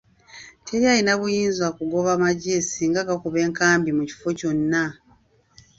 Teri alina buyinza kugoba magye singa gakuba enkambi mu kifo kyonna.